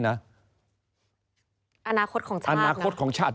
อนาคตของชาติ